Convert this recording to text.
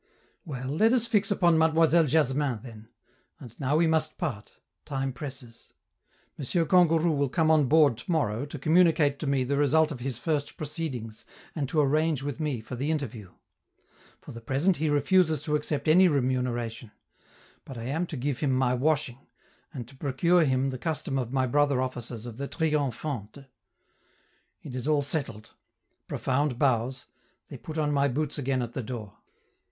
Well, let us fix upon Mademoiselle Jasmin, then and now we must part; time presses. M. Kangourou will come on board to morrow to communicate to me the result of his first proceedings and to arrange with me for the interview. For the present he refuses to accept any remuneration; but I am to give him my washing, and to procure him the custom of my brother officers of the 'Triomphante.' It is all settled. Profound bows they put on my boots again at the door.